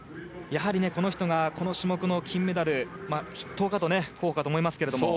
この人がこの種目の金メダル筆頭候補かと思いますが。